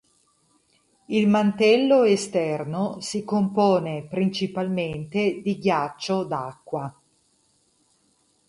Il mantello esterno si compone principalmente di ghiaccio d'acqua.